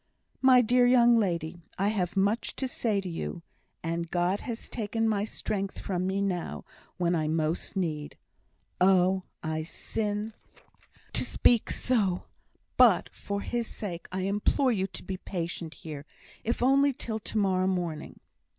"My dear young lady, I have much to say to you; and God has taken my strength from me now when I most need it. Oh, I sin to speak so but, for His sake, I implore you to be patient here, if only till to morrow morning."